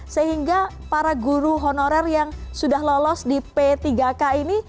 sehingga para guru honorer yang sudah lolos di p tiga k ini